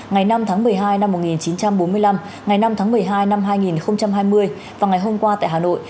ngày năm tháng một mươi hai năm một nghìn chín trăm bốn mươi năm ngày năm tháng một mươi hai năm hai nghìn hai mươi và ngày hôm qua tại hà nội